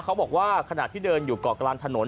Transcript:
เค้าบอกว่าขนาดที่เดินอยู่ก่อกรานถนน